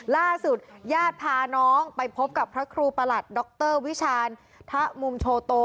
ล่าสุดญาติพาน้องไปพบกับพระครูประหลัดดรวิชาณทะมุมโชโต